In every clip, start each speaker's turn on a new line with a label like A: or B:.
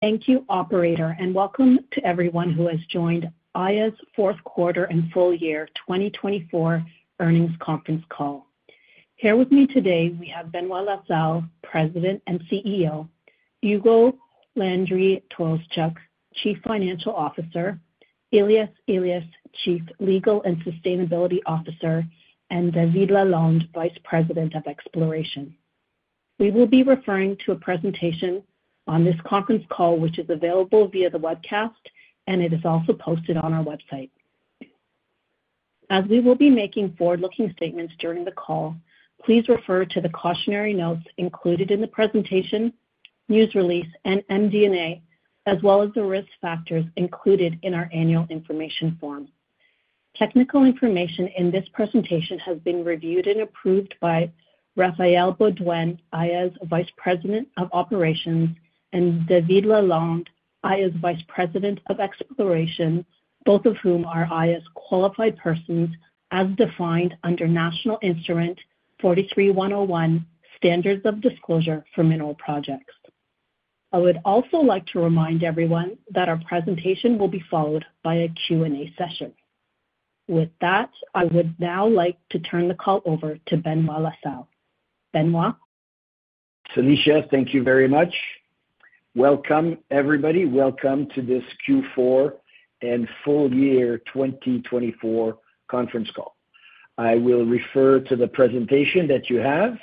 A: Thank you, Operator, and welcome to everyone who has joined Aya's fourth quarter and full year 2024 earnings conference call. Here with me today, we have Benoit La Salle, President and CEO, Ugo Landry-Tolszczuk, Chief Financial Officer, Elias Elias, Chief Legal and Sustainability Officer, and David Lalonde, Vice President of Exploration. We will be referring to a presentation on this conference call, which is available via the webcast, and it is also posted on our website. As we will be making forward-looking statements during the call, please refer to the cautionary notes included in the presentation, news release, and MD&A, as well as the risk factors included in our annual information form. Technical information in this presentation has been reviewed and approved by Raphaël Beaudoin, Aya's Vice President of Operations, and David Lalonde, Aya's Vice President of Exploration, both of whom are Aya's qualified persons as defined under National Instrument 43-101, Standards of Disclosure for Mineral Projects. I would also like to remind everyone that our presentation will be followed by a Q&A session. With that, I would now like to turn the call over to Benoit La Salle. Benoit?
B: Salma, thank you very much. Welcome, everybody. Welcome to this Q4 and full year 2024 conference call. I will refer to the presentation that you have,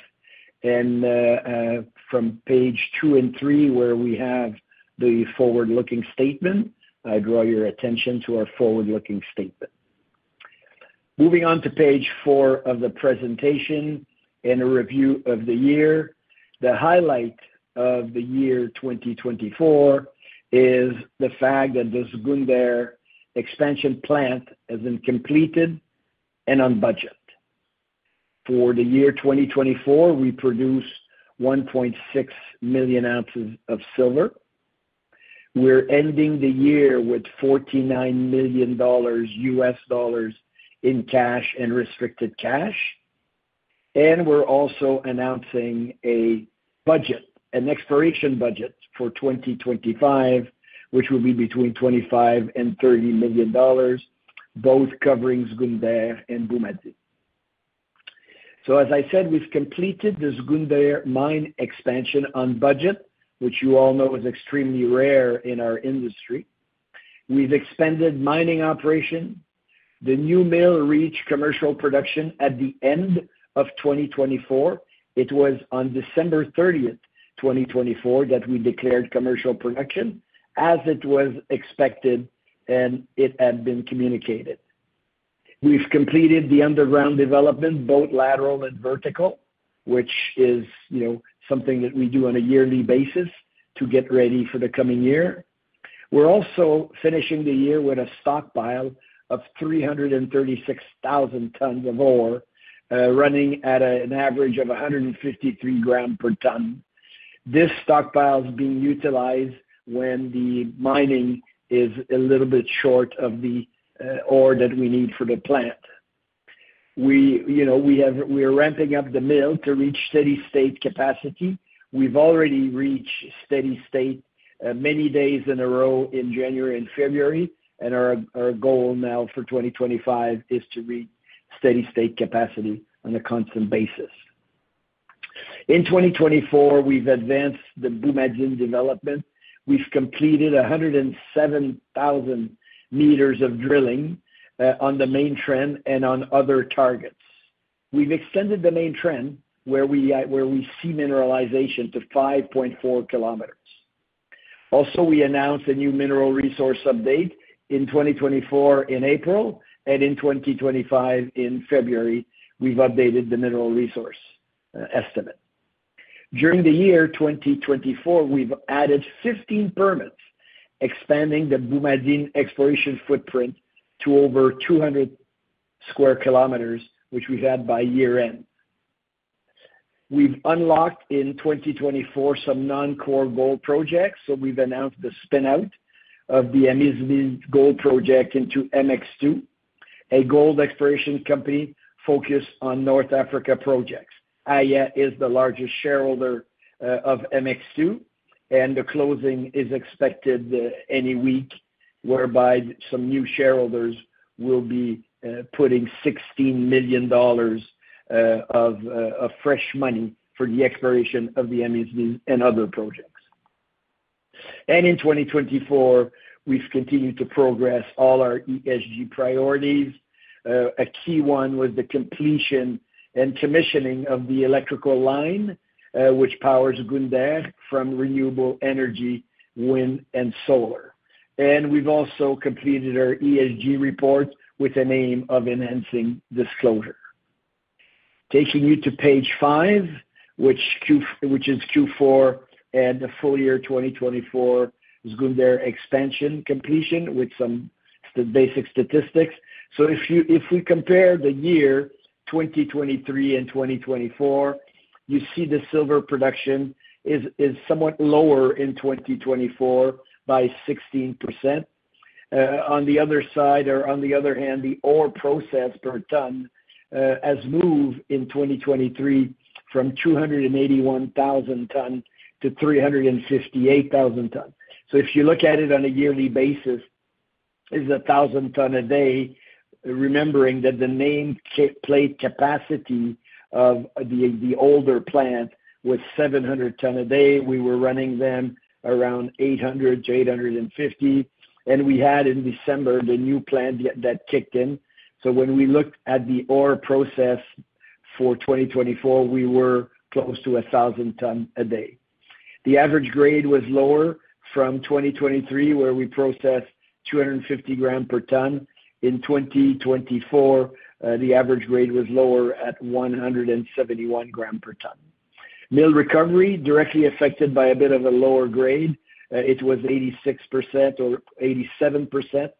B: and from page two and three, where we have the forward-looking statement, I draw your attention to our forward-looking statement. Moving on to page four of the presentation and a review of the year, the highlight of the year 2024 is the fact that the Zgounder expansion plant has been completed and on budget. For the year 2024, we produce 1.6 million ounces of silver. We're ending the year with $49 million in cash and restricted cash. We're also announcing a budget, an exploration budget for 2025, which will be between $25 million and $30 million, both covering Zgounder and Boumadine. As I said, we've completed the Zgounder mine expansion on budget, which you all know is extremely rare in our industry. We've expanded mining operations, the new mill reached commercial production at the end of 2024. It was on December 30, 2024, that we declared commercial production, as it was expected and it had been communicated. We've completed the underground development, both lateral and vertical, which is something that we do on a yearly basis to get ready for the coming year. We're also finishing the year with a stockpile of 336,000 tonness of ore running at an average of 153 grams per tonnes. This stockpile is being utilized when the mining is a little bit short of the ore that we need for the plant. We are ramping up the mill to reach steady-state capacity. We've already reached steady-state many days in a row in January and February, and our goal now for 2025 is to reach steady-state capacity on a constant basis. In 2024, we've advanced the Boumadine development. We've completed 107,000 meters of drilling on the main trench and on other targets. We've extended the main trench where we see mineralization to 5.4 kilometers. Also, we announced a new mineral resource update in 2024 in April, and in 2025 in February, we've updated the mineral resource estimate. During the year 2024, we've added 15 permits expanding the Boumadine exploration footprint to over 200 square kilometers, which we've had by year-end. We've unlocked in 2024 some non-core gold projects, so we've announced the spinout of the Tijirit gold project into Mx2 Mining, a gold exploration company focused on North Africa projects. Aya is the largest shareholder of Mx2 Mining, and the closing is expected any week, whereby some new shareholders will be putting $16 million of fresh money for the exploration of the Amizmiz and other projects. In 2024, we've continued to progress all our ESG priorities. A key one was the completion and commissioning of the electrical line, which powers Zgounder from renewable energy, wind, and solar. We've also completed our ESG report with the aim of enhancing disclosure. Taking you to page five, which is Q4 and the full year 2024 Zgounder expansion completion with some basic statistics. If we compare the year 2023 and 2024, you see the silver production is somewhat lower in 2024 by 16%. On the other hand, the ore processed per tonnes has moved in 2023 from 281,000 tonness to 358,000 tonness. If you look at it on a yearly basis, it's 1,000 tonness a day, remembering that the nameplate capacity of the older plant was 700 tonness a day. We were running them around 800 to 850, and we had in December the new plant that kicked in. When we looked at the ore process for 2024, we were close to 1,000 tonness a day. The average grade was lower from 2023, where we processed 250 grams per tonnes. In 2024, the average grade was lower at 171 grams per tonnes. Mill recovery directly affected by a bit of a lower grade. It was 86% or 87%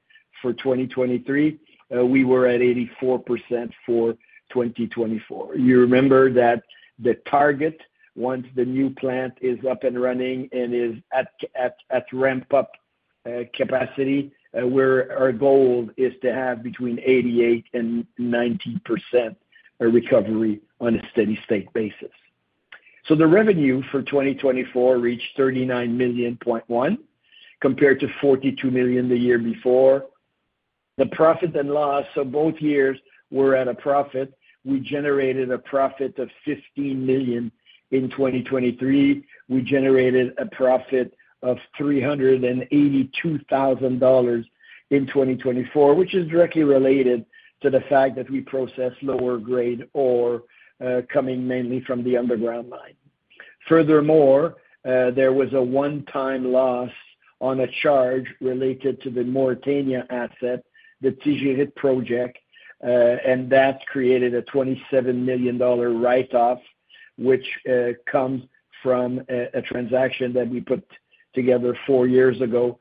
B: for 2023. We were at 84% for 2024. You remember that the target, once the new plant is up and running and is at ramp-up capacity, where our goal is to have between 88-90% recovery on a steady-state basis. The revenue for 2024 reached $39 million, compared to $42 million the year before. The profit and loss of both years were at a profit. We generated a profit of $15 million in 2023. We generated a profit of $382,000 in 2024, which is directly related to the fact that we processed lower-grade ore coming mainly from the underground mine. Furthermore, there was a one-time loss on a charge related to the Mauritania asset, the Tijirit project, and that created a $27 million write-off, which comes from a transaction that we put together four years ago.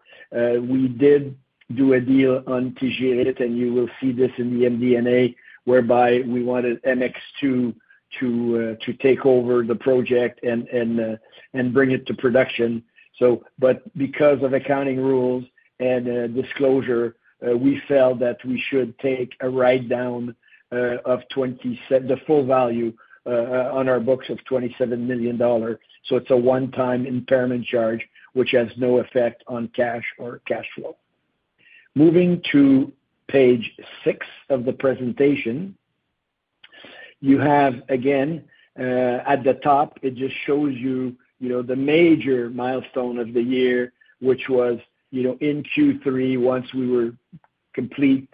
B: We did do a deal on Tijirit, and you will see this in the MD&A, whereby we wanted MX2 to take over the project and bring it to production. Because of accounting rules and disclosure, we felt that we should take a write-down of the full value on our books of $27 million. It is a one-time impairment charge, which has no effect on cash or cash flow. Moving to page six of the presentation, you have, again, at the top, it just shows you the major milestonnese of the year, which was in Q3, once we were complete,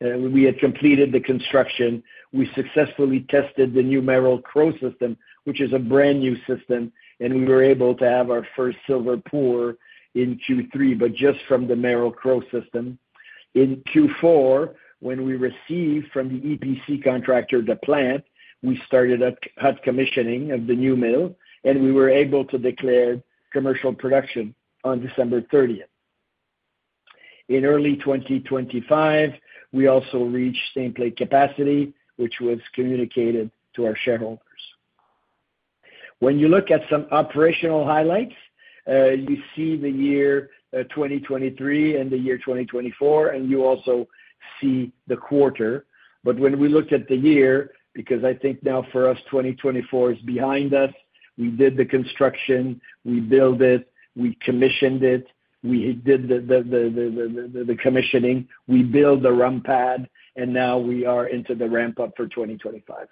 B: we had completed the construction, we successfully tested the new Merrill-Crowe system, which is a brand new system, and we were able to have our first silver pour in Q3, but just from the Merrill-Crowe system. In Q4, when we received from the EPC contractor the plant, we started up commissioning of the new mill, and we were able to declare commercial production on December 30, 2024. In early 2025, we also reached nameplate capacity, which was communicated to our shareholders. When you look at some operational highlights, you see the year 2023 and the year 2024, and you also see the quarter. When we look at the year, because I think now for us, 2024 is behind us, we did the construction, we built it, we commissioned it, we did the commissioning, we built the ramp pad, and now we are into the ramp-up for 2025.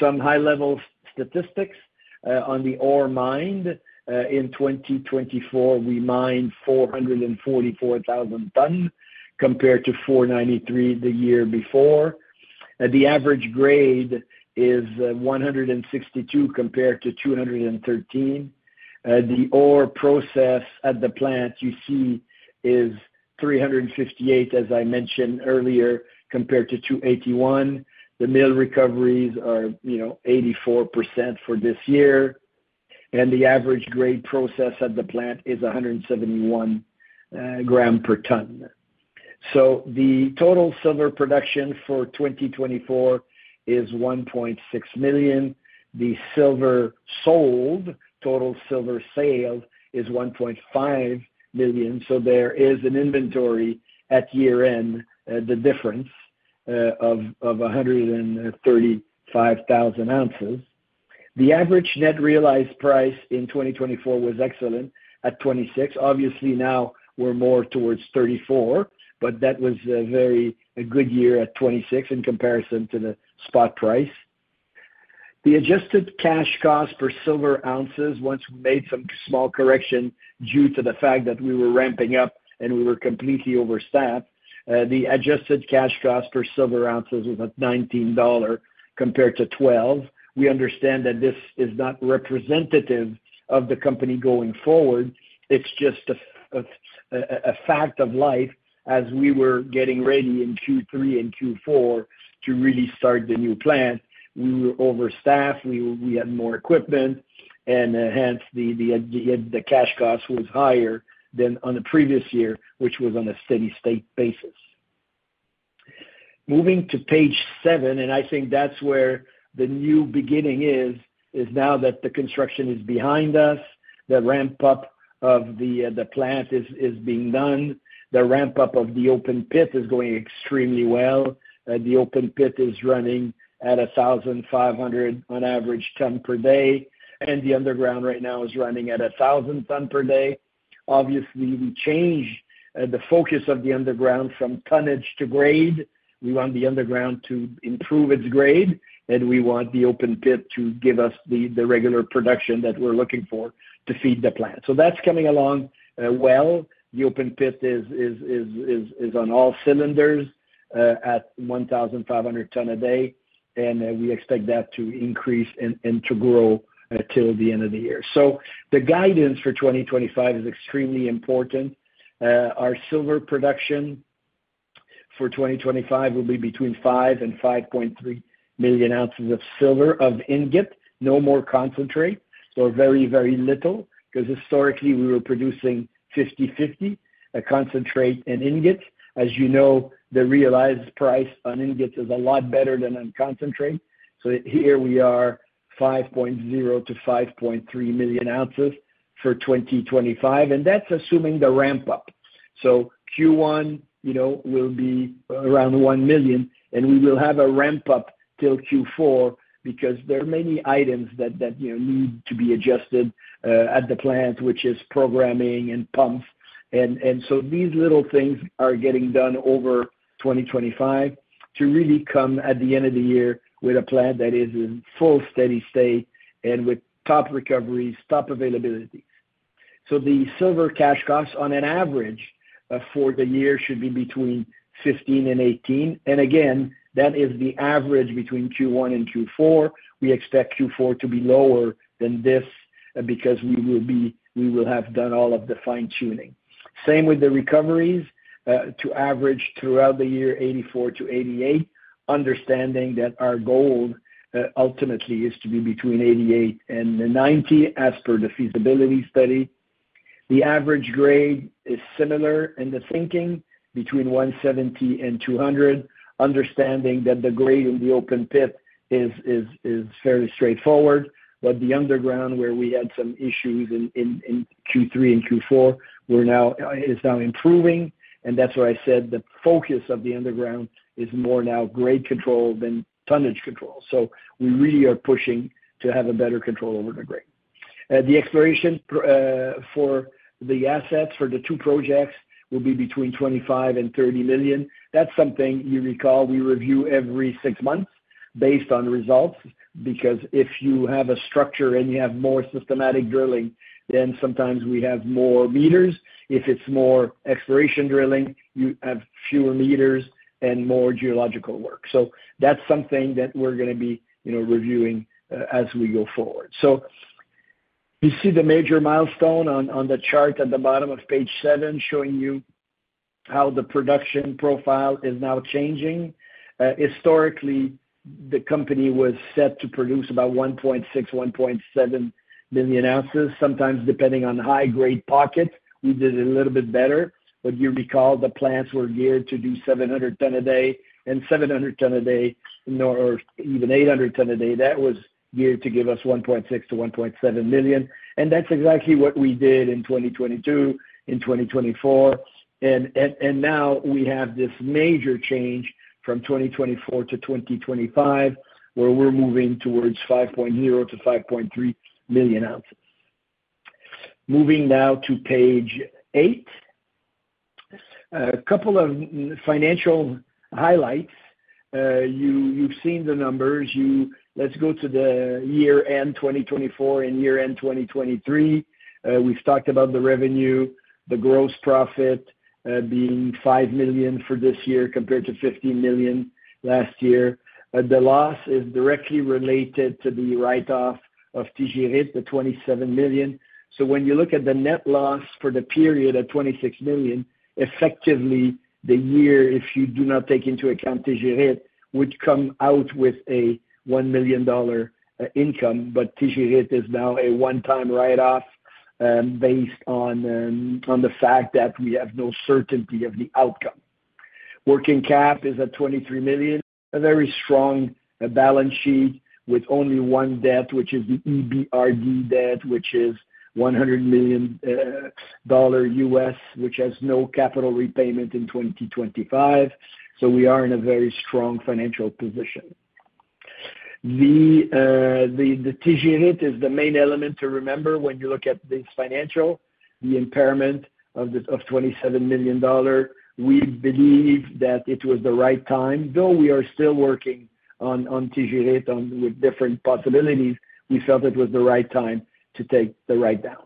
B: Some high-level statistics on the ore mined: in 2024, we mined 444,000 tonness compared to 493,000 the year before. The average grade is 162 compared to 213. The ore processed at the plant, you see, is 358,000, as I mentioned earlier, compared to 281,000. The mill recoveries are 84% for this year, and the average grade processed at the plant is 171 grams per tonnes. The total silver production for 2024 is 1.6 million. The silver sold, total silver sale, is 1.5 million. There is an inventory at year-end, the difference of 135,000 ounces. The average net realized price in 2024 was excellent at $26. Obviously, now we are more towards $34, but that was a very good year at $26 in comparison to the spot price. The adjusted cash cost per silver ounce, once we made some small correction due to the fact that we were ramping up and we were completely overstaffed, the adjusted cash cost per silver ounce was at $19 compared to $12. We understand that this is not representative of the company going forward. It is just a fact of life. As we were getting ready in Q3 and Q4 to really start the new plant, we were overstaffed. We had more equipment, and hence the cash cost was higher than on the previous year, which was on a steady-state basis. Moving to page seven, I think that's where the new beginning is, is now that the construction is behind us, the ramp-up of the plant is being done. The ramp-up of the open pit is going extremely well. The open pit is running at 1,500 on average tonnes per day, and the underground right now is running at 1,000 tonnes per day. Obviously, we changed the focus of the underground from tonnesnage to grade. We want the underground to improve its grade, and we want the open pit to give us the regular production that we're looking for to feed the plant. That's coming along well. The open pit is on all cylinders at 1,500 tonnes a day, and we expect that to increase and to grow till the end of the year. The guidance for 2025 is extremely important. Our silver production for 2025 will be between 5 and 5.3 million ounces of silver of ingot, no more concentrate, or very, very little, because historically we were producing 50/50 concentrate and ingot. As you know, the realized price on ingot is a lot better than on concentrate. Here we are 5.0-5.3 million ounces for 2025, and that's assuming the ramp-up. Q1 will be around 1 million, and we will have a ramp-up till Q4 because there are many items that need to be adjusted at the plant, which is programming and pumps. These little things are getting done over 2025 to really come at the end of the year with a plant that is in full steady-state and with top recoveries, top availability. The silver cash costs on an average for the year should be between $15 and $18. Again, that is the average between Q1 and Q4. We expect Q4 to be lower than this because we will have done all of the fine-tuning. Same with the recoveries to average throughout the year, 84%-88%, understanding that our goal ultimately is to be between 88%-90% as per the feasibility study. The average grade is similar in the thinking between 170 and 200, understanding that the grade in the open pit is fairly straightforward, but the underground, where we had some issues in Q3 and Q4, is now improving. That is why I said the focus of the underground is more now grade control than tonnesnage control. We really are pushing to have a better control over the grade. The exploration for the assets for the two projects will be between $25 million and $30 million. That is something you recall we review every six months based on results, because if you have a structure and you have more systematic drilling, then sometimes we have more meters. If it is more exploration drilling, you have fewer meters and more geological work. That is something that we are going to be reviewing as we go forward. You see the major milestonnese on the chart at the bottom of page seven showing you how the production profile is now changing. Historically, the company was set to produce about 1.6-1.7 million ounces. Sometimes depending on high-grade pocket, we did a little bit better. You recall the plants were geared to do 700 tonnes a day, and 700 tonnes a day, or even 800 tonnes a day, that was geared to give us 1.6 to 1.7 million. That is exactly what we did in 2022, in 2024. Now we have this major change from 2024 to 2025, where we are moving towards 5.0-5.3 million ounces. Moving now to page eight, a couple of financial highlights. You have seen the numbers. Let's go to the year-end 2024 and year-end 2023. We have talked about the revenue, the gross profit being $5 million for this year compared to $15 million last year. The loss is directly related to the write-off of Tijirit, the $27 million. When you look at the net loss for the period of $26 million, effectively the year, if you do not take into account Tijirit, would come out with a $1 million income, but Tijirit is now a one-time write-off based on the fact that we have no certainty of the outcome. Working cap is at $23 million. A very strong balance sheet with only one debt, which is the EBRD debt, which is $100 million US, which has no capital repayment in 2025. We are in a very strong financial position. The Tijirit is the main element to remember when you look at this financial, the impairment of $27 million. We believe that it was the right time, though we are still working on Tijirit with different possibilities. We felt it was the right time to take the write-down.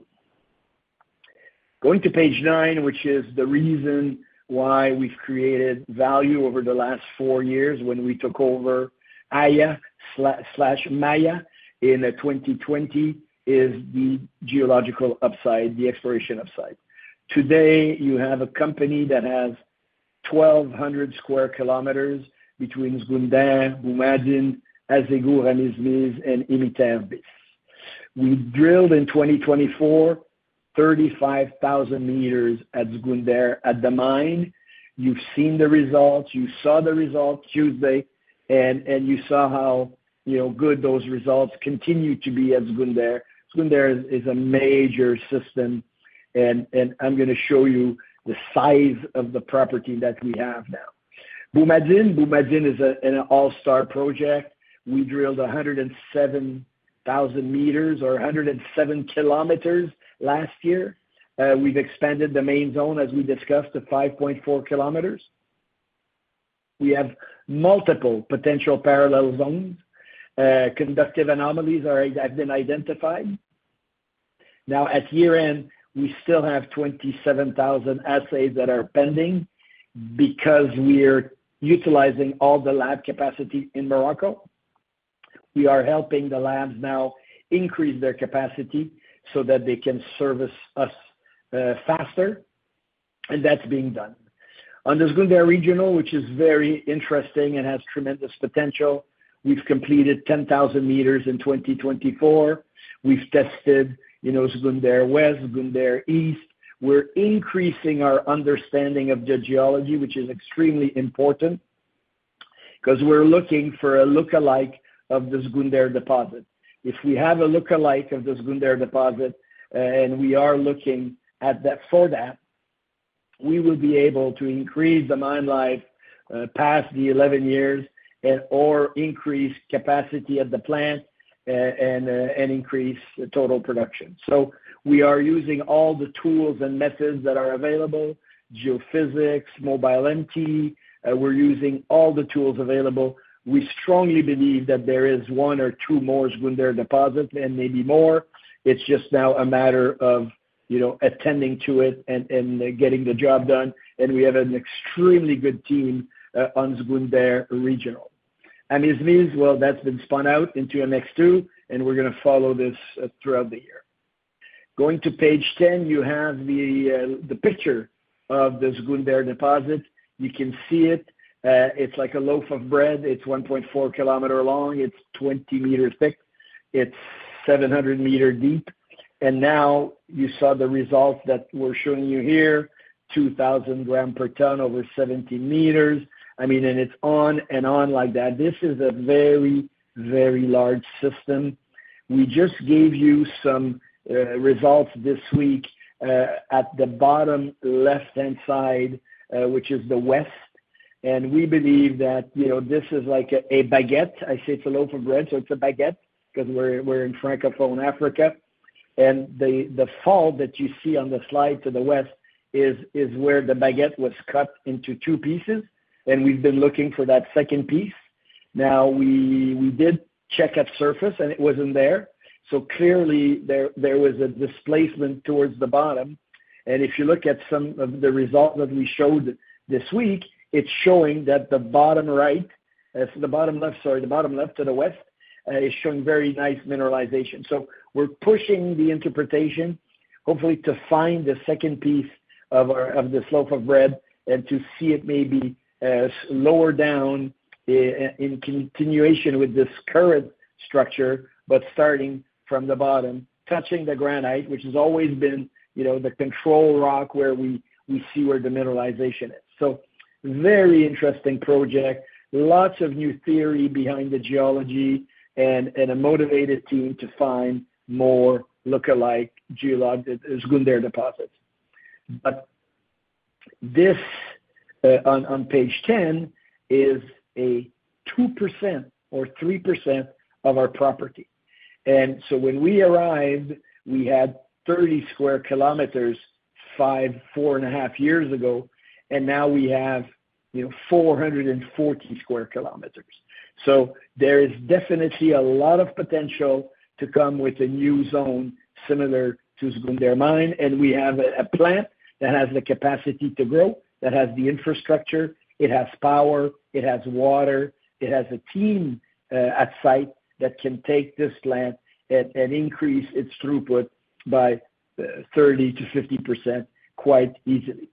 B: Going to page nine, which is the reason why we've created value over the last four years when we took over Aya/Maya in 2020, is the geological upside, the exploration upside. Today, you have a company that has 1,200 sq km between Zgounder, Boumadine, Azegur, and Amizmiz, and Imiter Bis. We drilled in 2024, 35,000 meters at Zgounder at the mine. You've seen the results. You saw the results Tuesday, and you saw how good those results continue to be at Zgounder. Zgounder is a major system, and I'm going to show you the size of the property that we have now. Boumadine, Boumadine is an all-star project. We drilled 107,000 meters or 107 km last year. We've expanded the main zone, as we discussed, to 5.4 km. We have multiple potential parallel zones. Conductive anomalies have been identified. Now, at year-end, we still have 27,000 assays that are pending because we are utilizing all the lab capacity in Morocco. We are helping the labs now increase their capacity so that they can service us faster, and that's being done. On the Zgounder Regional, which is very interesting and has tremendous potential, we've completed 10,000 meters in 2024. We've tested Zgounder West, Zgounder East. We're increasing our understanding of the geology, which is extremely important because we're looking for a lookalike of the Zgounder deposit. If we have a lookalike of the Zgounder deposit and we are looking for that, we will be able to increase the mine life past the 11 years or increase capacity at the plant and increase total production. We are using all the tools and methods that are available, geophysics, MobileMT. We're using all the tools available. We strongly believe that there is one or two more Zgounder deposits and maybe more. It's just now a matter of attending to it and getting the job done. We have an extremely good team on Zgounder Regional. Amizmiz, that's been spun out into MX2, and we're going to follow this throughout the year. Going to page 10, you have the picture of the Zgounder deposit. You can see it. It's like a loaf of bread. It's 1.4 km long. It's 20 m thick. It's 700 m deep. Now you saw the results that we're showing you here: 2,000 grams per tonnes over 70 m. I mean, it's on and on like that. This is a very, very large system. We just gave you some results this week at the bottom left-hand side, which is the west. We believe that this is like a baguette. I say it's a loaf of bread, so it's a baguette because we're in Francophone Africa. The fault that you see on the slide to the west is where the baguette was cut into two pieces, and we've been looking for that second piece. Now, we did check at surface, and it wasn't there. Clearly, there was a displacement towards the bottom. If you look at some of the results that we showed this week, it's showing that the bottom left to the west is showing very nice mineralization. We're pushing the interpretation, hopefully to find the second piece of this loaf of bread and to see it maybe lower down in continuation with this current structure, but starting from the bottom, touching the granite, which has always been the control rock where we see where the mineralization is. Very interesting project, lots of new theory behind the geology and a motivated team to find more lookalike Zgounder deposits. This on page 10 is a 2%-3% of our property. When we arrived, we had 30 sq km four and a half years ago, and now we have 440 sq km. There is definitely a lot of potential to come with a new zone similar to Zgounder Mine. We have a plant that has the capacity to grow, that has the infrastructure. It has power. It has water. It has a team at site that can take this plant and increase its throughput by 30-50% quite easily.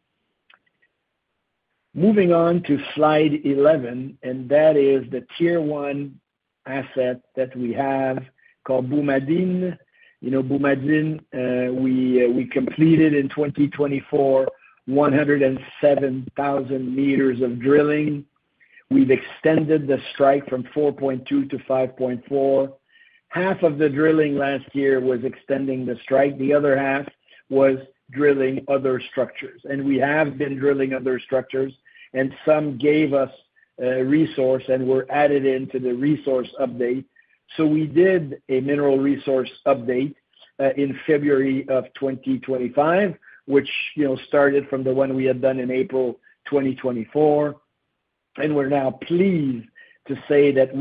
B: Moving on to slide 11, that is the tier one asset that we have called Boumadine. Boumadine, we completed in 2024, 107,000 meters of drilling. We've extended the strike from 4.2 to 5.4. Half of the drilling last year was extending the strike. The other half was drilling other structures. We have been drilling other structures, and some gave us resource and were added into the resource update. We did a mineral resource update in February of 2025, which started from the one we had done in April 2024. We are now pleased to say that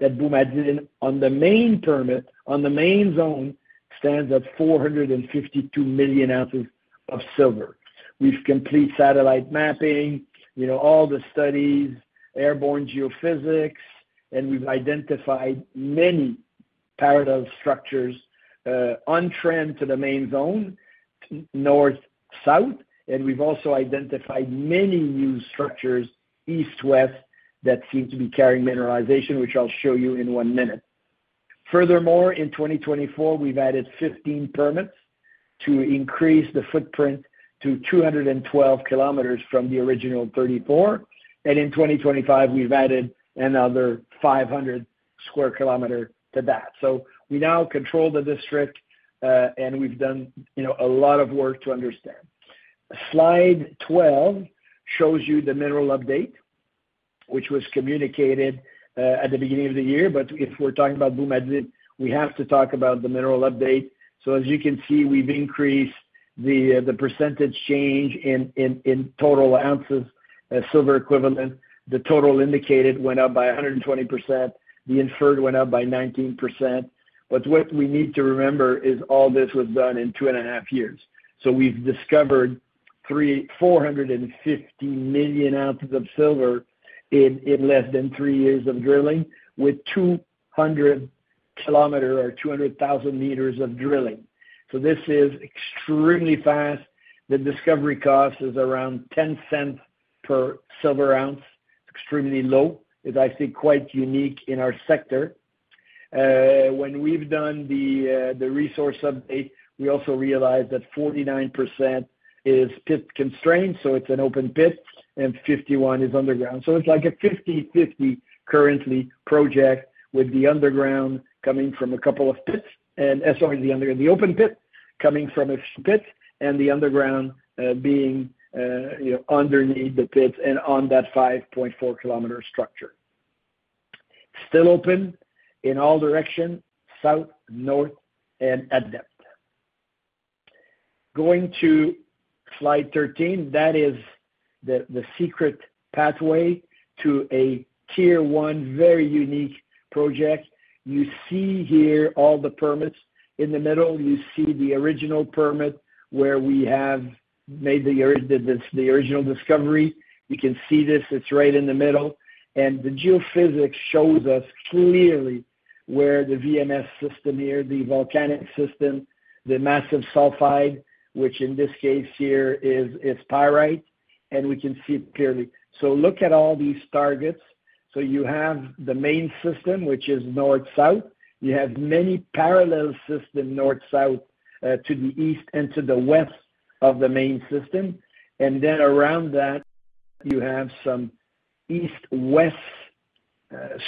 B: Boumadine, on the main permit, on the main zone, stands at 452 million ounces of silver. We've completed satellite mapping, all the studies, airborne geophysics, and we've identified many parallel structures on trend to the main zone, north-south. We've also identified many new structures east-west that seem to be carrying mineralization, which I'll show you in one minute. Furthermore, in 2024, we've added 15 permits to increase the footprint to 212 sq km from the original 34. In 2025, we've added another 500 sq km to that. We now control the district, and we've done a lot of work to understand. Slide 12 shows you the mineral update, which was communicated at the beginning of the year. If we're talking about Boumadine, we have to talk about the mineral update. As you can see, we've increased the percentage change in total ounces of silver equivalent. The total indicated went up by 120%. The inferred went up by 19%. What we need to remember is all this was done in two and a half years. We have discovered 450 million ounces of silver in less than three years of drilling with 200 km or 200,000 meters of drilling. This is extremely fast. The discovery cost is around $0.10 per silver ounce. Extremely low is, I think, quite unique in our sector. When we have done the resource update, we also realized that 49% is pit constrained, so it is an open pit, and 51% is underground. It is like a 50/50 currently project with the underground coming from a couple of pits, and sorry, the open pit coming from a pit, and the underground being underneath the pit and on that 5.4 km structure. Still open in all directions, south, north, and at depth. Going to slide 13, that is the secret pathway to a tier one, very unique project. You see here all the permits. In the middle, you see the original permit where we have made the original discovery. You can see this. It's right in the middle. The geophysics shows us clearly where the VMS system is here, the volcanic system, the massive sulfide, which in this case is pyrite, and we can see it clearly. Look at all these targets. You have the main system, which is north-south. You have many parallel systems north-south to the east and to the west of the main system. Around that, you have some east-west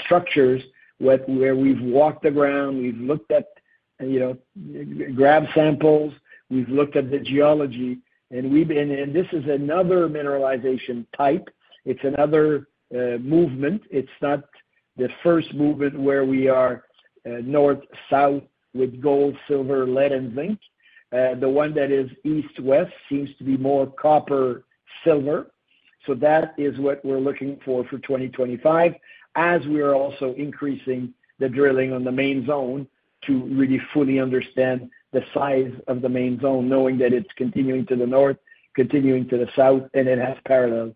B: structures where we've walked the ground. We've looked at grab samples. We've looked at the geology. This is another mineralization type. It's another movement. It's not the first movement where we are north-south with gold, silver, lead, and zinc. The one that is east-west seems to be more copper-silver. That is what we're looking for for 2025, as we are also increasing the drilling on the main zone to really fully understand the size of the main zone, knowing that it's continuing to the north, continuing to the south, and it has parallel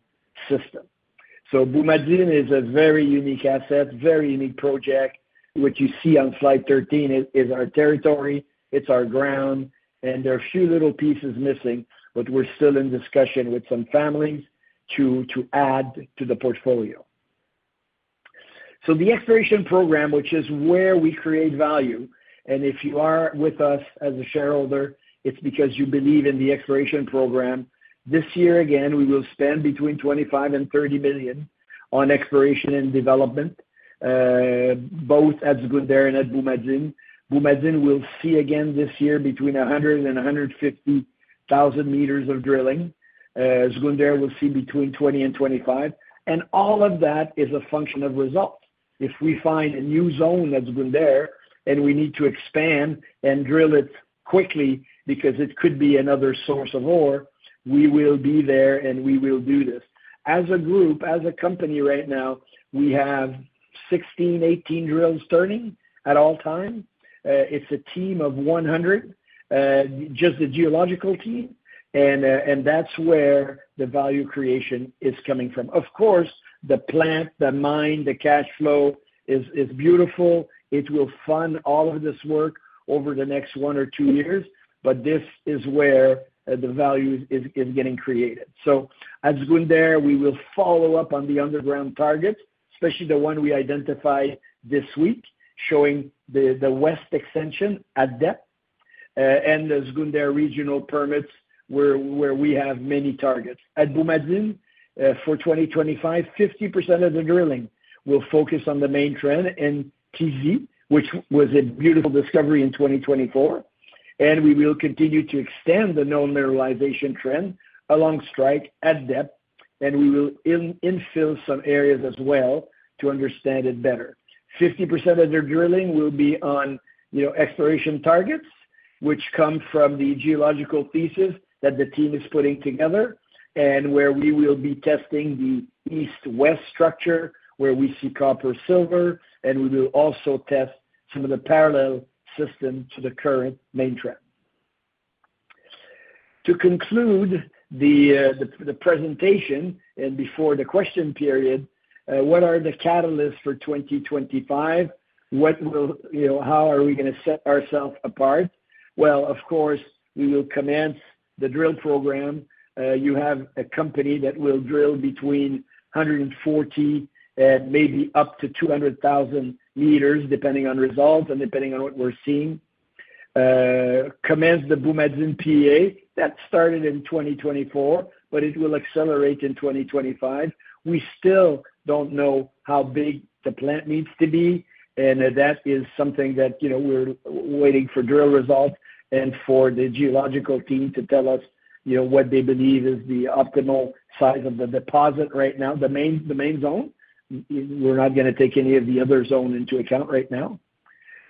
B: systems. Boumadine is a very unique asset, very unique project. What you see on slide 13 is our territory. It's our ground. There are a few little pieces missing, but we're still in discussion with some families to add to the portfolio. The exploration program, which is where we create value. If you are with us as a shareholder, it's because you believe in the exploration program. This year, again, we will spend between $25 million and $30 million on exploration and development, both at Zgounder and at Boumadine. Boumadine will see again this year between 100,000 and 150,000 meters of drilling. Zgounder will see between 20 and 25. All of that is a function of results. If we find a new zone at Zgounder and we need to expand and drill it quickly because it could be another source of ore, we will be there and we will do this. As a group, as a company right now, we have 16-18 drills turning at all times. It is a team of 100, just the geological team. That is where the value creation is coming from. Of course, the plant, the mine, the cash flow is beautiful. It will fund all of this work over the next one or two years, but this is where the value is getting created. At Zgounder, we will follow up on the underground targets, especially the one we identified this week, showing the west extension at depth. The Zgounder Regional permits where we have many targets. At Boumadine, for 2025, 50% of the drilling will focus on the main trend in Tizi, which was a beautiful discovery in 2024. We will continue to extend the known mineralization trend along strike at depth. We will infill some areas as well to understand it better. 50% of their drilling will be on exploration targets, which come from the geological pieces that the team is putting together, and where we will be testing the east-west structure where we see copper-silver. We will also test some of the parallel system to the current main trend. To conclude the presentation and before the question period, what are the catalysts for 2025? How are we going to set ourselves apart? Of course, we will commence the drill program. You have a company that will drill between 140,000 and maybe up to 200,000 meters, depending on results and depending on what we're seeing. Commence the Boumadine PEA. That started in 2024, but it will accelerate in 2025. We still do not know how big the plant needs to be. That is something that we're waiting for drill results and for the geological team to tell us what they believe is the optimal size of the deposit right now, the main zone. We're not going to take any of the other zone into account right now.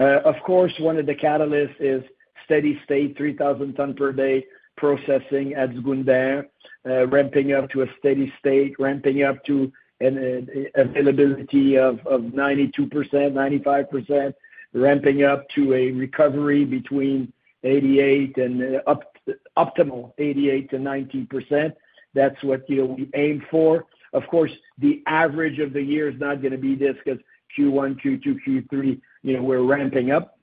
B: Of course, one of the catalysts is steady state, 3,000 tonnes per day processing at Zgounder, ramping up to a steady state, ramping up to an availability of 92%-95%, ramping up to a recovery between 88% and optimal 88%-90%. That's what we aim for. Of course, the average of the year is not going to be this because Q1, Q2, Q3, we're ramping up.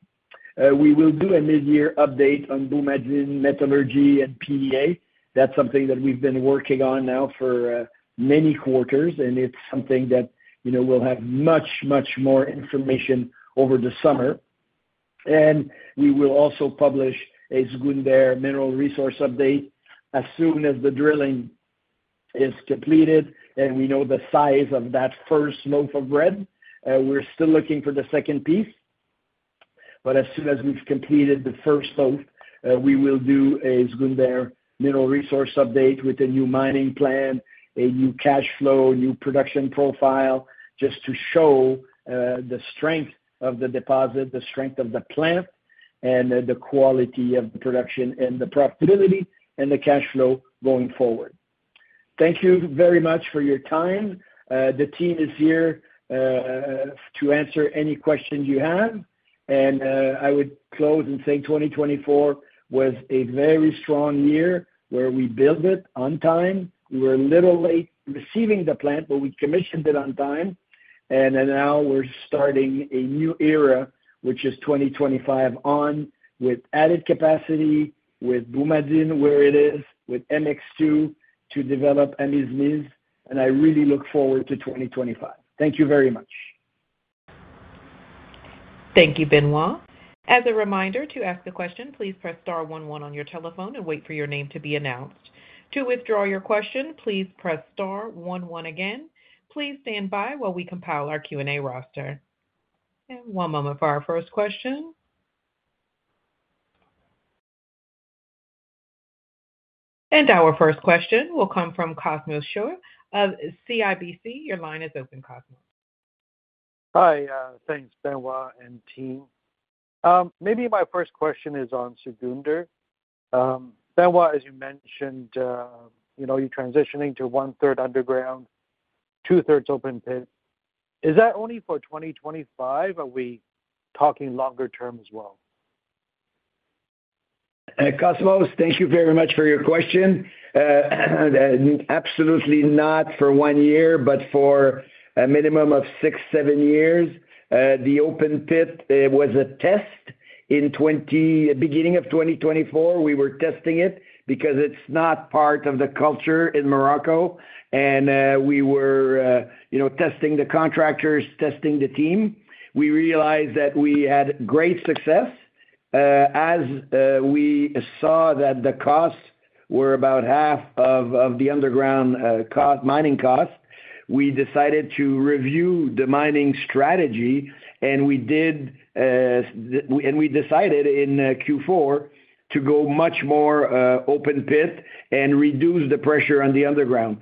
B: We will do a mid-year update on Boumadine metallurgy and PEA. That's something that we've been working on now for many quarters, and it's something that we'll have much, much more information over the summer. We will also publish a Zgounder mineral resource update as soon as the drilling is completed. We know the size of that first loaf of bread. We're still looking for the second piece. As soon as we've completed the first loaf, we will do a Zgounder mineral resource update with a new mining plan, a new cash flow, new production profile, just to show the strength of the deposit, the strength of the plant, and the quality of the production and the profitability and the cash flow going forward. Thank you very much for your time. The team is here to answer any questions you have. I would close in saying 2024 was a very strong year where we built it on time. We were a little late receiving the plant, but we commissioned it on time. Now we're starting a new era, which is 2025 on, with added capacity, with Boumadine where it is, with MX2 to develop MX2. I really look forward to 2025. Thank you very much.
C: Thank you, Benoit. As a reminder, to ask the question, please press star 11 on your telephone and wait for your name to be announced. To withdraw your question, please press star 11 again. Please stand by while we compile our Q&A roster. One moment for our first question. Our first question will come from Cosmos Chiu of CIBC. Your line is open, Cosmo.
D: }Hi. Thanks, Benoit and team. Maybe my first question is on Zgounder. Benoit, as you mentioned, you're transitioning to one-third underground, two-thirds open pit. Is that only for 2025, or are we talking longer term as well?
B: Cosmo, thank you very much for your question. Absolutely not for one year, but for a minimum of six, seven years. The open pit was a test in the beginning of 2024. We were testing it because it's not part of the culture in Morocco. We were testing the contractors, testing the team. We realized that we had great success. As we saw that the costs were about half of the underground mining costs, we decided to review the mining strategy. We decided in Q4 to go much more open pit and reduce the pressure on the underground.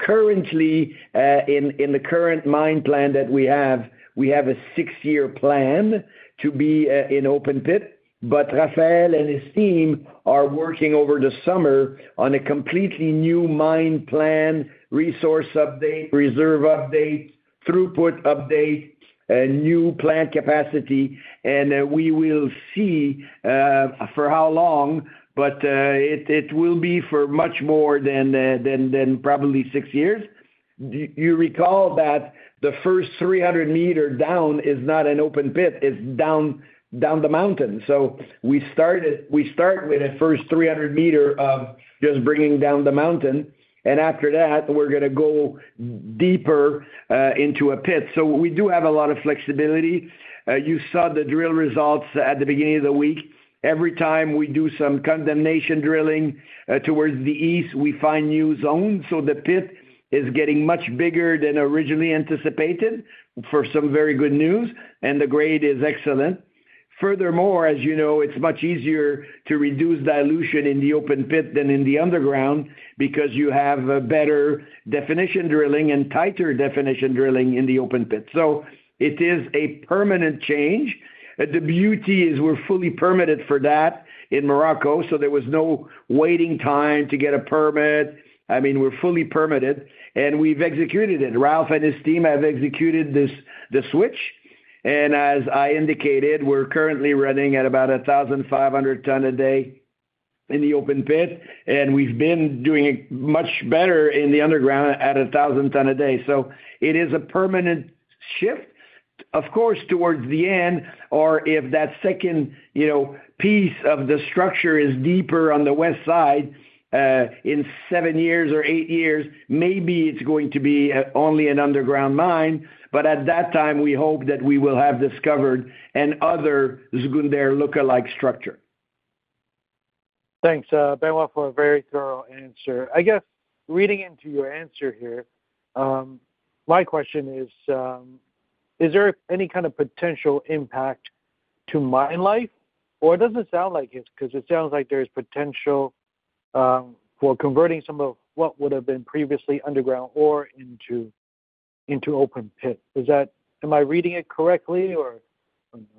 B: Currently, in the current mine plan that we have, we have a six-year plan to be in open pit. Raphaël and his team are working over the summer on a completely new mine plan, resource update, reserve update, throughput update, and new plant capacity. We will see for how long, but it will be for much more than probably six years. You recall that the first 300 meters down is not an open pit. It is down the mountain. We start with a first 300 meters of just bringing down the mountain. After that, we're going to go deeper into a pit. We do have a lot of flexibility. You saw the drill results at the beginning of the week. Every time we do some condemnation drilling towards the east, we find new zones. The pit is getting much bigger than originally anticipated for some very good news. The grade is excellent. Furthermore, as you know, it's much easier to reduce dilution in the open pit than in the underground because you have a better definition drilling and tighter definition drilling in the open pit. It is a permanent change. The beauty is we're fully permitted for that in Morocco. There was no waiting time to get a permit. I mean, we're fully permitted. We've executed it. Raphaël and his team have executed the switch. As I indicated, we're currently running at about 1,500 tonnes a day in the open pit. We've been doing much better in the underground at 1,000 tonnes a day. It is a permanent shift, of course, towards the end, or if that second piece of the structure is deeper on the west side in seven years or eight years, maybe it's going to be only an underground mine. At that time, we hope that we will have discovered another Zgounder lookalike structure.
D: Thanks, Benoit, for a very thorough answer. I guess reading into your answer here, my question is, is there any kind of potential impact to mine life? It doesn't sound like it because it sounds like there's potential for converting some of what would have been previously underground or into open pit. Am I reading it correctly or?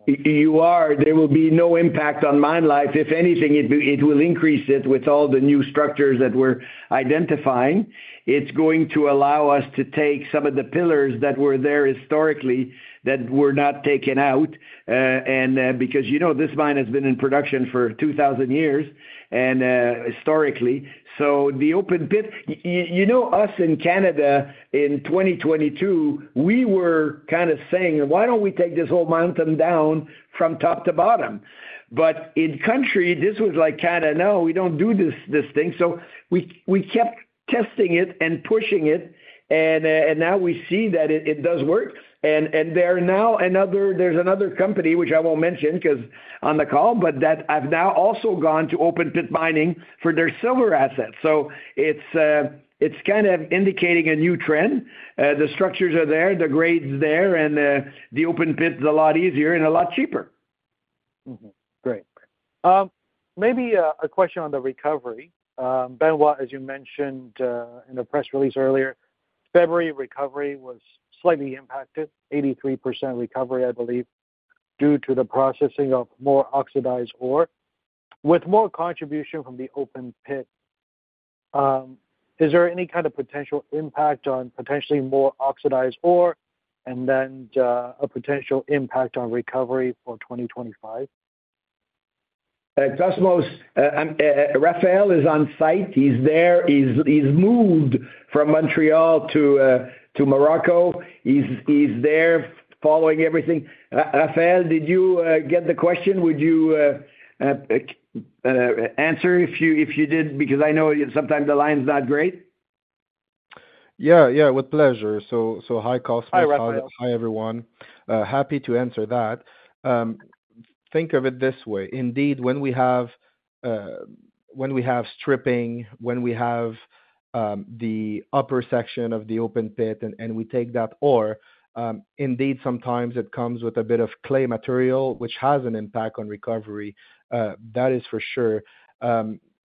D: You are.
B: There will be no impact on mine life. If anything, it will increase it with all the new structures that we're identifying. It's going to allow us to take some of the pillars that were there historically that were not taken out. And because this mine has been in production for 2,000 years historically. The open pit, you know, us in Canada in 2022, we were kind of saying, "Why don't we take this whole mountain down from top to bottom?" In country, this was like Canada. No, we don't do this thing. We kept testing it and pushing it. Now we see that it does work. There's another company, which I won't mention because on the call, but that have now also gone to open pit mining for their silver assets. It's kind of indicating a new trend. The structures are there, the grade's there, and the open pit is a lot easier and a lot cheaper.
D: Great. Maybe a question on the recovery. Benoit, as you mentioned in the press release earlier, February recovery was slightly impacted, 83% recovery, I believe, due to the processing of more oxidized ore with more contribution from the open pit. Is there any kind of potential impact on potentially more oxidized ore and then a potential impact on recovery for 2025?
B: Cosmos, Raphaël is on site. He's there. He's moved from Montreal to Morocco. He's there following everything. Raphaël, did you get the question? Would you answer if you did? Because I know sometimes the line's not great.
E: Yeah, yeah. With pleasure. Hi, Cosmos. Hi, everyone. Happy to answer that. Think of it this way. Indeed, when we have stripping, when we have the upper section of the open pit and we take that ore, indeed, sometimes it comes with a bit of clay material, which has an impact on recovery. That is for sure.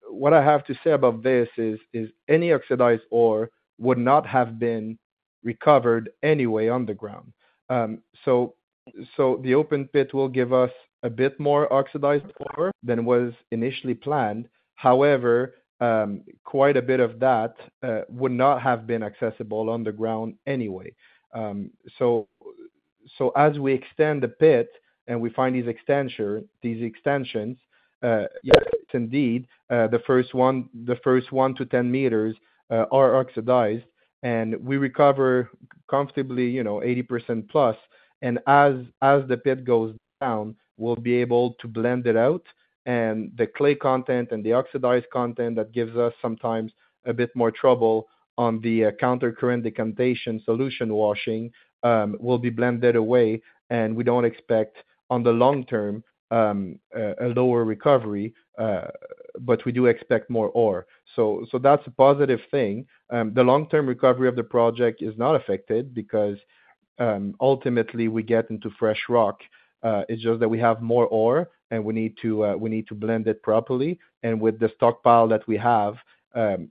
E: What I have to say about this is any oxidized ore would not have been recovered anyway underground. The open pit will give us a bit more oxidized ore than was initially planned. However, quite a bit of that would not have been accessible underground anyway. As we extend the pit and we find these extensions, yes, indeed, the first one to 10 meters are oxidized. We recover comfortably 80% plus. As the pit goes down, we'll be able to blend it out. The clay content and the oxidized content that gives us sometimes a bit more trouble on the countercurrent decantation solution washing will be blended away. We do not expect on the long term a lower recovery, but we do expect more ore. That is a positive thing. The long-term recovery of the project is not affected because ultimately we get into fresh rock. It is just that we have more ore and we need to blend it properly. With the stockpile that we have,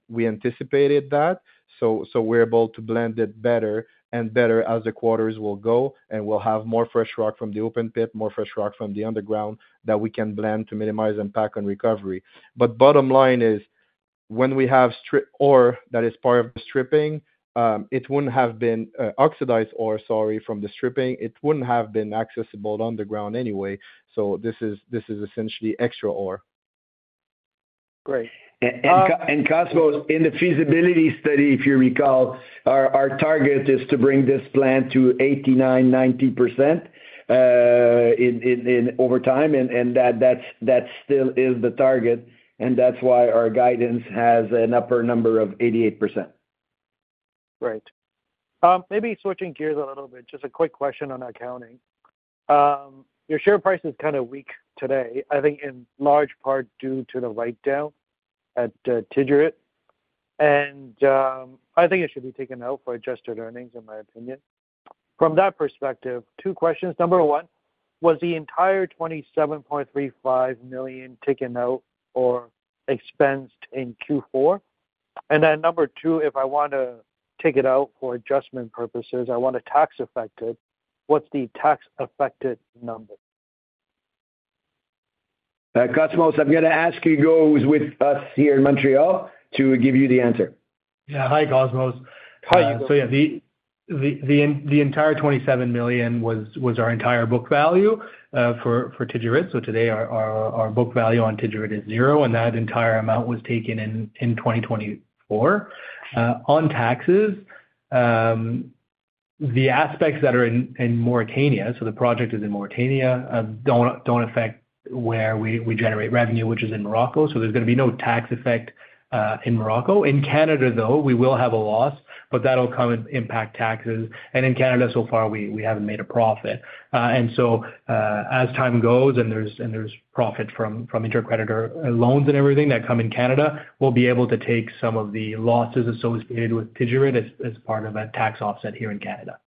E: we anticipated that. We are able to blend it better and better as the quarters will go. We will have more fresh rock from the open pit, more fresh rock from the underground that we can blend to minimize impact on recovery. Bottom line is when we have ore that is part of the stripping, it would not have been oxidized ore, sorry, from the stripping. It would not have been accessible underground anyway. This is essentially extra ore.
D: Great.
B: Cosmos, in the feasibility study, if you recall, our target is to bring this plant to 89-90% over time. That still is the target. That is why our guidance has an upper number of 88%.
D: Right. Maybe switching gears a little bit, just a quick question on accounting. Your share price is kind of weak today, I think in large part due to the write-down at. I think it should be taken out for adjusted earnings, in my opinion. From that perspective, two questions. Number one, was the entire $27.35 million taken out or expensed in Q4? Number two, if I want to take it out for adjustment purposes, I want to tax-affect it, what's the tax-affected number?
B: Cosmos, I'm going to ask you, who's with us here in Montreal, to give you the answer.
F: Yeah. Hi, Cosmos. The entire $27 million was our entire book value for Tijirit. Today, our book value on Tijirit is zero. That entire amount was taken in 2024. On taxes, the aspects that are in Mauritania, so the project is in Mauritania, don't affect where we generate revenue, which is in Morocco. There's going to be no tax effect in Morocco. In Canada, though, we will have a loss, but that'll come and impact taxes. In Canada, so far, we haven't made a profit. As time goes and there is profit from intercreditor loans and everything that come in Canada, we will be able to take some of the losses associated with Tijirit as part of a tax offset here in Canada.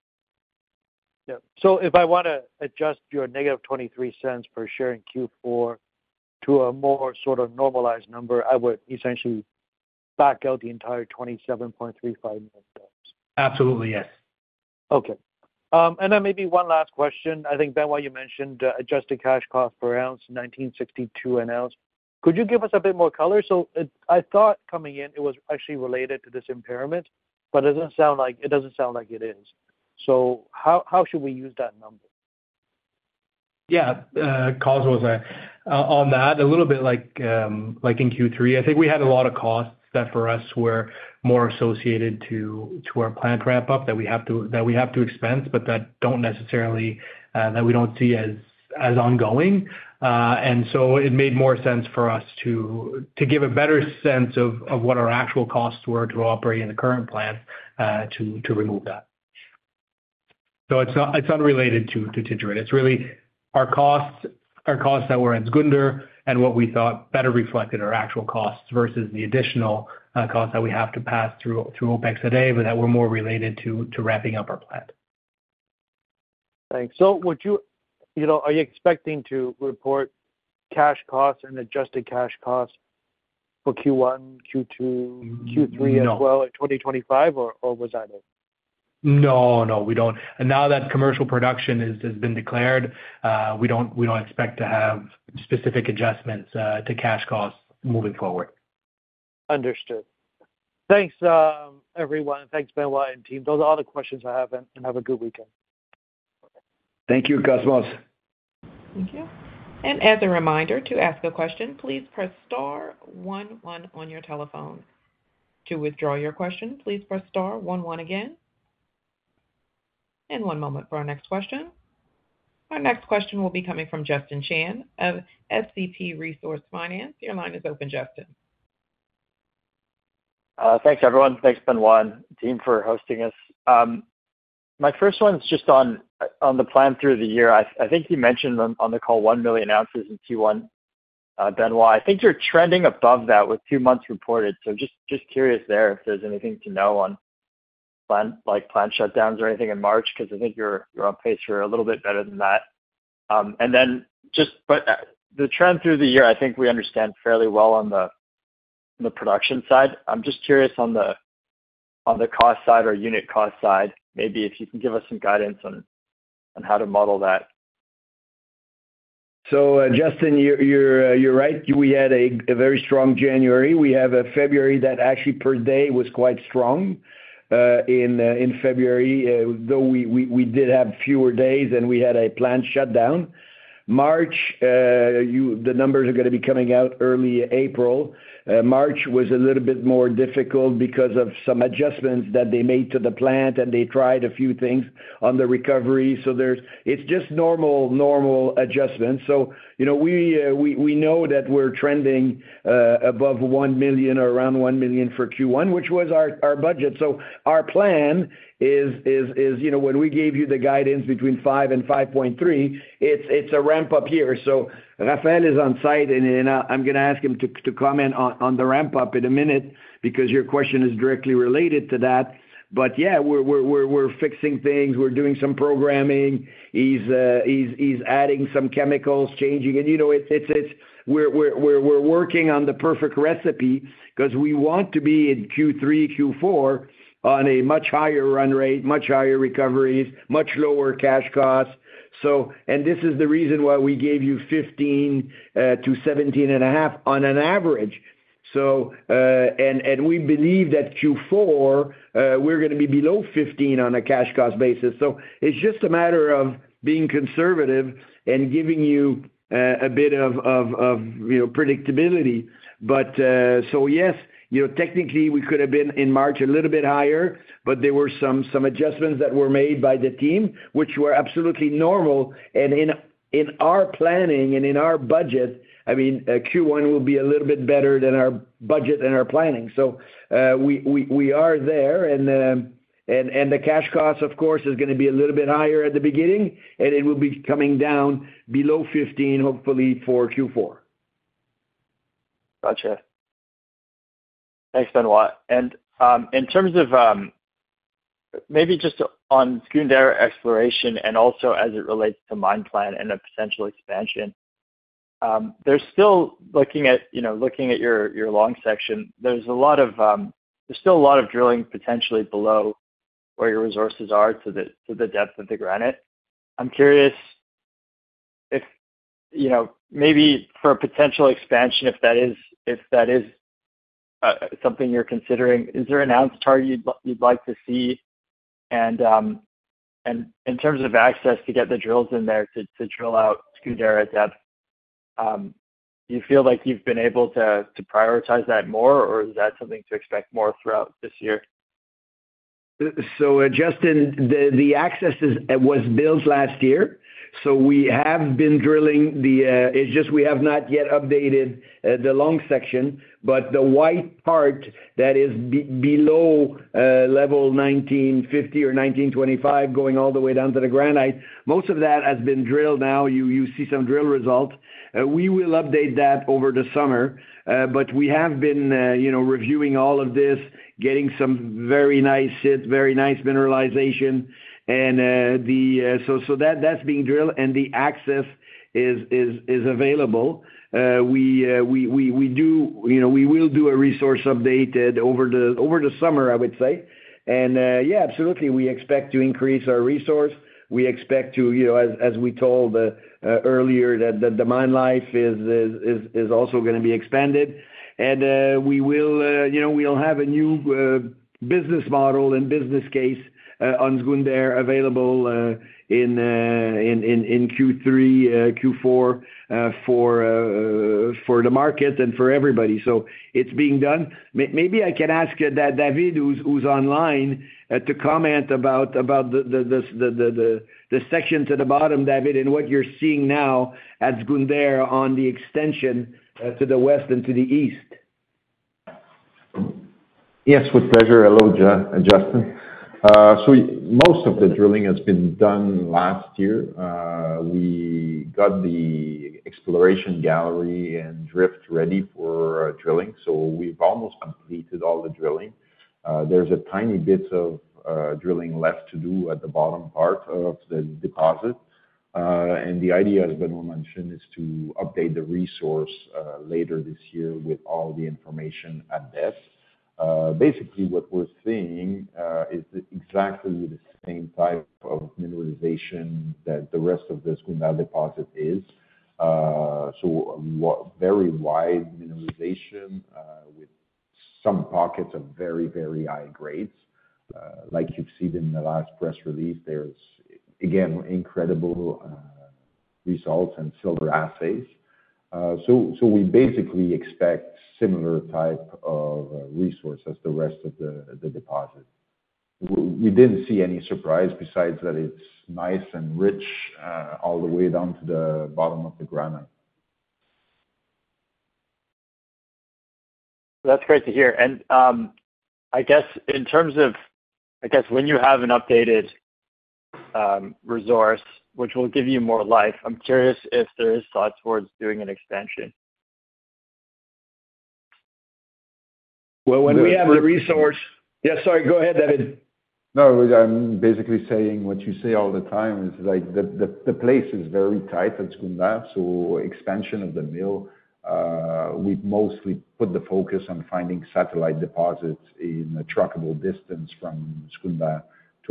D: Yeah. If I want to adjust your negative $0.23 per share in Q4 to a more sort of normalized number, I would essentially back out the entire $27.35 million.
F: Absolutely. Yes.
D: Okay. Maybe one last question. I think, Benoit, you mentioned adjusted cash cost per ounce, $1,962 an ounce. Could you give us a bit more color? I thought coming in, it was actually related to this impairment, but it does not sound like it is. How should we use that number?
F: Yeah. Cosmos on that, a little bit like in Q3. I think we had a lot of costs that for us were more associated to our plant ramp-up that we have to expense, but that don't necessarily that we don't see as ongoing. It made more sense for us to give a better sense of what our actual costs were to operate in the current plant to remove that. It's not related to Tijirit. It's really our costs that were at Zgounder and what we thought better reflected our actual costs versus the additional costs that we have to pass through OpEx today, but that were more related to ramping up our plant.
D: Thanks. Are you expecting to report cash costs and adjusted cash costs for Q1, Q2, Q3 as well in 2025, or was that it?
F: No, no, we don't. Now that commercial production has been declared, we do not expect to have specific adjustments to cash costs moving forward.
D: Understood. Thanks, everyone. Thanks, Benoit and team. Those are all the questions I have. Have a good weekend.
B: Thank you, Cosmos.
C: Thank you. As a reminder, to ask a question, please press star 11 on your telephone. To withdraw your question, please press star 11 again. One moment for our next question. Our next question will be coming from Justin Chan of SCP Resource Finance. Your line is open, Justin.
G: Thanks, everyone. Thanks, Benoit, and team for hosting us. My first one is just on the plan through the year. I think you mentioned on the call 1 million ounces in Q1, Benoit. I think you are trending above that with two months reported. Just curious there if there's anything to know on plant shutdowns or anything in March because I think you're on pace for a little bit better than that. The trend through the year, I think we understand fairly well on the production side. I'm just curious on the cost side or unit cost side, maybe if you can give us some guidance on how to model that.
B: Justin, you're right. We had a very strong January. We have a February that actually per day was quite strong in February, though we did have fewer days and we had a planned shutdown. March, the numbers are going to be coming out early April. March was a little bit more difficult because of some adjustments that they made to the plant and they tried a few things on the recovery. It's just normal adjustments. We know that we're trending above 1 million or around 1 million for Q1, which was our budget. Our plan is when we gave you the guidance between 5-5.3, it's a ramp-up here. Raphaël is on site. I'm going to ask him to comment on the ramp-up in a minute because your question is directly related to that. Yeah, we're fixing things. We're doing some programming. He's adding some chemicals, changing. We're working on the perfect recipe because we want to be in Q3, Q4 on a much higher run rate, much higher recoveries, much lower cash costs. This is the reason why we gave you 15-17.5 on an average. We believe that Q4, we're going to be below 15 on a cash cost basis. It is just a matter of being conservative and giving you a bit of predictability. Yes, technically, we could have been in March a little bit higher, but there were some adjustments that were made by the team, which were absolutely normal. In our planning and in our budget, I mean, Q1 will be a little bit better than our budget and our planning. We are there. The cash cost, of course, is going to be a little bit higher at the beginning, and it will be coming down below $15, hopefully, for Q4.
G: Gotcha. Thanks, Benoit. In terms of maybe just on Zgounder exploration and also as it relates to mine plan and a potential expansion, they are still looking at your long section. There's still a lot of drilling potentially below where your resources are to the depth of the granite. I'm curious if maybe for a potential expansion, if that is something you're considering, is there an ounce target you'd like to see? In terms of access to get the drills in there to drill out Zgounder at depth, do you feel like you've been able to prioritize that more, or is that something to expect more throughout this year?
B: Justin, the access was built last year. We have been drilling. It's just we have not yet updated the long section. The white part that is below level 1950 or 1925 going all the way down to the granite, most of that has been drilled now. You see some drill results. We will update that over the summer. We have been reviewing all of this, getting some very nice sit, very nice mineralization. That is being drilled. The access is available. We will do a resource update over the summer, I would say. Yeah, absolutely. We expect to increase our resource. We expect to, as we told earlier, that the mine life is also going to be expanded. We will have a new business model and business case on Zgounder available in Q3, Q4 for the market and for everybody. It is being done. Maybe I can ask David, who is online, to comment about the section to the bottom, David, and what you are seeing now at Zgounder on the extension to the west and to the east.
H: Yes, with pleasure. Hello, Justin. Most of the drilling has been done last year. We got the exploration gallery and drift ready for drilling. We've almost completed all the drilling. There's a tiny bit of drilling left to do at the bottom part of the deposit. The idea, as Benoit mentioned, is to update the resource later this year with all the information at best. Basically, what we're seeing is exactly the same type of mineralization that the rest of the Zgounder deposit is. Very wide mineralization with some pockets of very, very high grades. Like you've seen in the last press release, there's, again, incredible results and silver assays. We basically expect similar type of resource as the rest of the deposit. We didn't see any surprise besides that it's nice and rich all the way down to the bottom of the granite.
G: That's great to hear. I guess in terms of, I guess when you have an updated resource, which will give you more life, I'm curious if there is thoughts towards doing an expansion.
B: When we have the resource, yeah, sorry, go ahead, David.
H: No, I'm basically saying what you say all the time is the place is very tight at Zgounder. Expansion of the mill, we've mostly put the focus on finding satellite deposits in a trackable distance from Zgounder to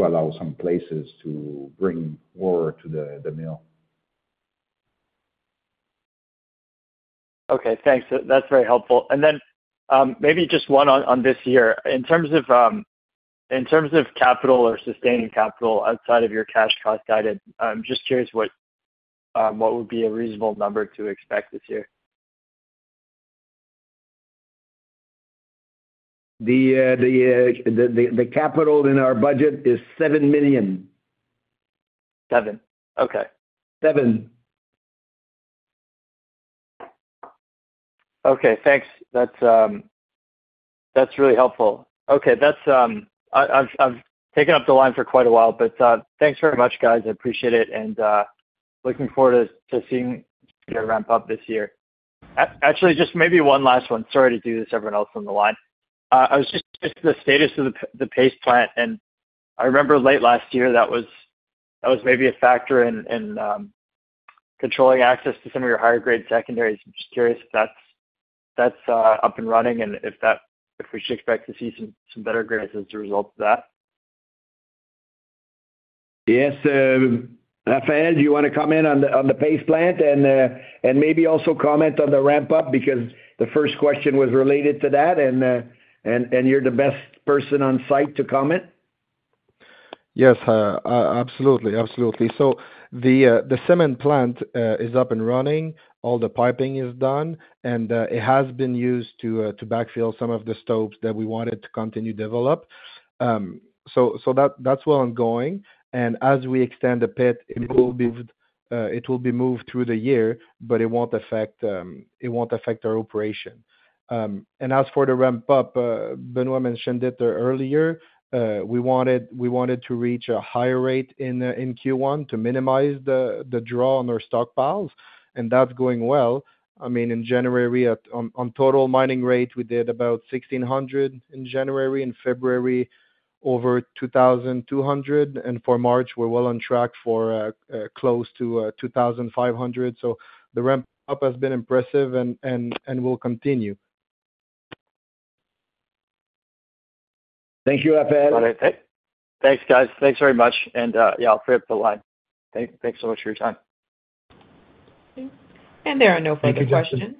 H: allow some places to bring ore to the mill.
G: Okay. Thanks. That's very helpful. Maybe just one on this year. In terms of capital or sustaining capital outside of your cash cost guided, I'm just curious what would be a reasonable number to expect this year.
B: The capital in our budget is $7 million. Seven. Okay. Seven. Okay. Thanks. That's really helpful. Okay.
G: I've taken up the line for quite a while, but thanks very much, guys. I appreciate it. Actually, just maybe one last one. Sorry to do this everyone else on the line. I was just curious about the status of the paste plant. I remember late last year, that was maybe a factor in controlling access to some of your higher-grade secondaries. I'm just curious if that's up and running and if we should expect to see some better grades as a result of that.
B: Yes. Raphaël, do you want to comment on the paste plant and maybe also comment on the ramp-up because the first question was related to that, and you're the best person on site to comment.
E: Yes. Absolutely. Absolutely. So the cement plant is up and running. All the piping is done. It has been used to backfill some of the stopes that we wanted to continue to develop. That is well ongoing. As we extend the pit, it will be moved through the year, but it will not affect our operation. As for the ramp-up, Benoit mentioned it earlier. We wanted to reach a higher rate in Q1 to minimize the draw on our stockpiles. That is going well. I mean, in January, on total mining rate, we did about 1,600 in January. In February, over 2,200. For March, we are well on track for close to 2,500. The ramp-up has been impressive and will continue.
B: Thank you, Raphaël.
G: Thanks, guys. Thanks very much. I will clear up the line. Thanks so much for your time.
C: There are no further questions.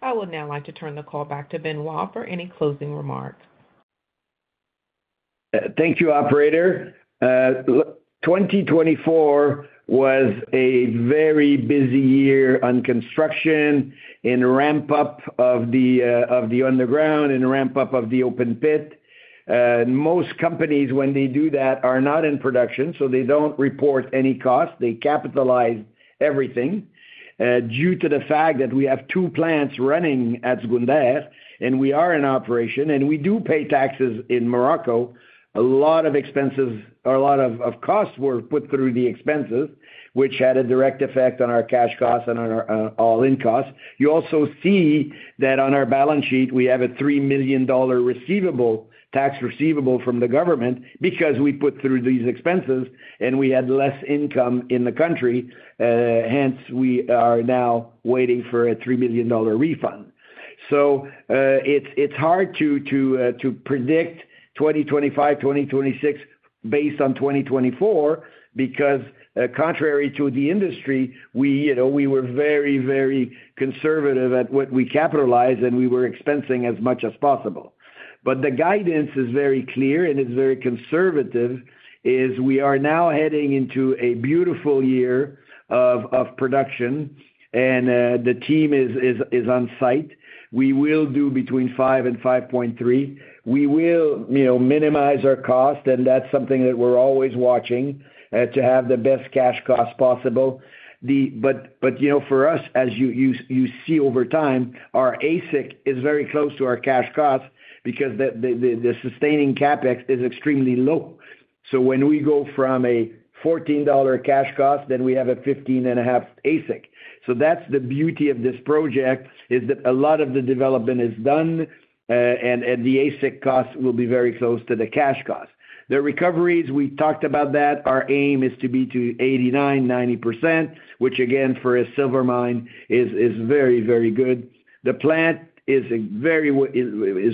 C: I would now like to turn the call back to Benoit for any closing remarks.
B: Thank you, operator. 2024 was a very busy year on construction, in ramp-up of the underground, in ramp-up of the open pit. Most companies, when they do that, are not in production, so they do not report any costs. They capitalize everything due to the fact that we have two plants running at Zgounder, and we are in operation. We do pay taxes in Morocco. A lot of expenses or a lot of costs were put through the expenses, which had a direct effect on our cash costs and on our all-in costs. You also see that on our balance sheet, we have a $3 million tax receivable from the government because we put through these expenses, and we had less income in the country. Hence, we are now waiting for a $3 million refund. It's hard to predict 2025, 2026 based on 2024 because, contrary to the industry, we were very, very conservative at what we capitalized, and we were expensing as much as possible. The guidance is very clear, and it's very conservative, as we are now heading into a beautiful year of production, and the team is on site. We will do between 5 and 5.3. We will minimize our cost, and that's something that we're always watching to have the best cash cost possible. For us, as you see over time, our AISC is very close to our cash cost because the sustaining CapEx is extremely low. When we go from a $14 cash cost, then we have a $15.5 AISC. That's the beauty of this project, is that a lot of the development is done, and the AISC cost will be very close to the cash cost. The recoveries, we talked about that. Our aim is to be to 89-90%, which, again, for a silver mine, is very, very good. The plant is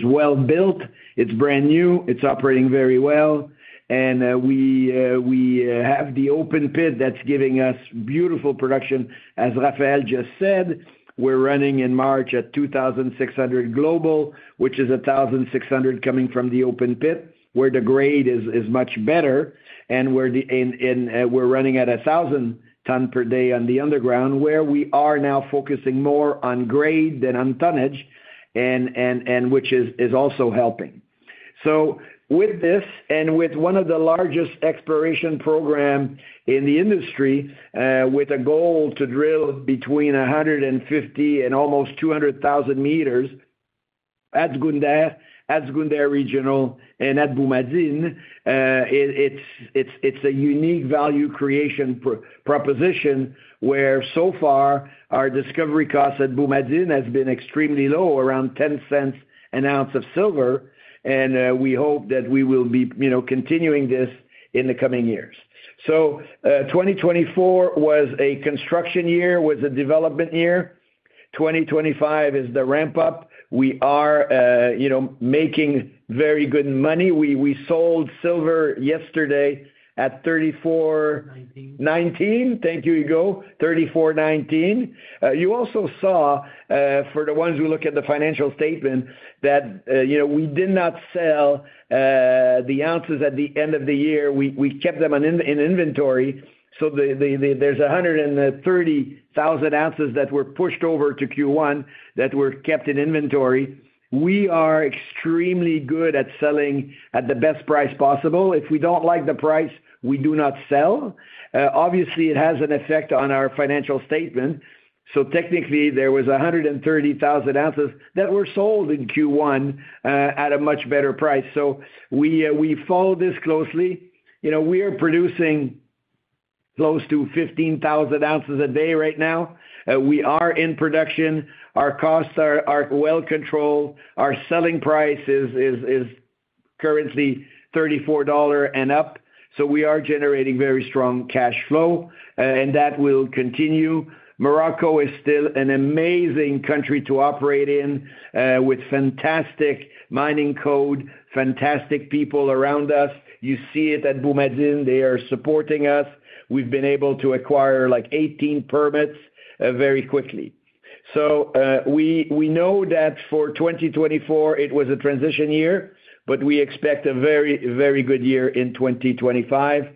B: well built. It's brand new. It's operating very well. We have the open pit that's giving us beautiful production. As Raphaël just said, we're running in March at 2,600 global, which is 1,600 coming from the open pit, where the grade is much better, and we're running at 1,000 tonnes per day on the underground, where we are now focusing more on grade than on tonnesnage, which is also helping. With this and with one of the largest exploration programs in the industry, with a goal to drill between 150,000 and almost 200,000 meters at Zgounder, at Zgounder Regional, and at Boumadine, it is a unique value creation proposition where, so far, our discovery costs at Boumadine have been extremely low, around $0.10 an ounce of silver. We hope that we will be continuing this in the coming years. 2024 was a construction year, was a development year. 2025 is the ramp-up. We are making very good money. We sold silver yesterday at $34.19. Thank you, Ugo. $34.19. You also saw, for the ones who look at the financial statement, that we did not sell the ounces at the end of the year. We kept them in inventory. There are 130,000 ounces that were pushed over to Q1 that were kept in inventory. We are extremely good at selling at the best price possible. If we do not like the price, we do not sell. Obviously, it has an effect on our financial statement. Technically, there were 130,000 ounces that were sold in Q1 at a much better price. We follow this closely. We are producing close to 15,000 ounces a day right now. We are in production. Our costs are well controlled. Our selling price is currently $34 and up. We are generating very strong cash flow, and that will continue. Morocco is still an amazing country to operate in with fantastic mining code, fantastic people around us. You see it at Boumadine. They are supporting us. We have been able to acquire like 18 permits very quickly. We know that for 2024, it was a transition year, but we expect a very, very good year in 2025.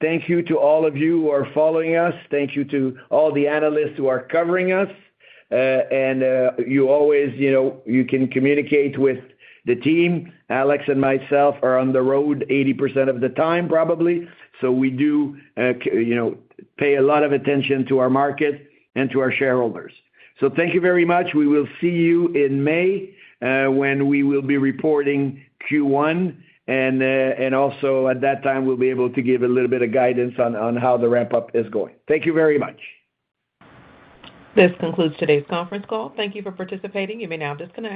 B: Thank you to all of you who are following us. Thank you to all the analysts who are covering us. You always can communicate with the team. Alex and myself are on the road 80% of the time, probably. We do pay a lot of attention to our market and to our shareholders. Thank you very much. We will see you in May when we will be reporting Q1. Also, at that time, we'll be able to give a little bit of guidance on how the ramp-up is going. Thank you very much.
C: This concludes today's conference call. Thank you for participating. You may now disconnect.